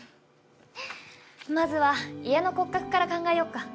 まずは家の骨格から考えよっか。